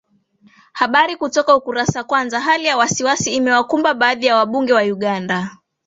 habari kutoka ukurasa kwanza hali ya wasiwasi imewakumba baadhi ya wabunge wa uganda